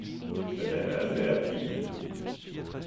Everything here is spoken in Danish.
men der er en værre pine.